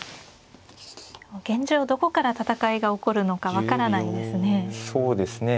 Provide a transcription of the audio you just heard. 現状はどこから戦いが起こるのか分からないですね。